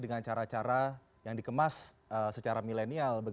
dengan cara cara yang dikemas secara milenial